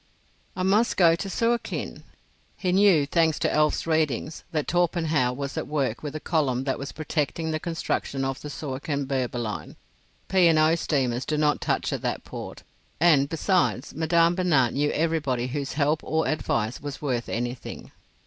"I must go to Suakin." He knew, thanks to Alf's readings, that Torpenhow was at work with the column that was protecting the construction of the Suakin Berber line. P. and O. steamers do not touch at that port, and, besides, Madame Binat knew everybody whose help or advice was worth anything.